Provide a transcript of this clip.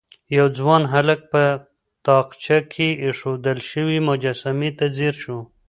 يو ځوان هلک په تاقچه کې ايښودل شوې مجسمې ته ځير شو.